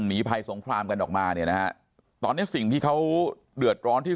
หนีภัยสงครามกันออกมาเนี่ยนะฮะตอนเนี้ยสิ่งที่เขาเดือดร้อนที่